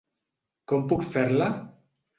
Com puc fer-la?